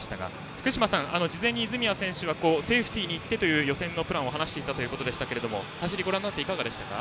福島さん、事前に泉谷選手はセーフティーにいってという予選のプランを話していたそうですが走りをご覧になっていかがでしたか。